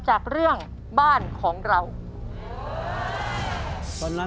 จากเรื่องบ้านของเรา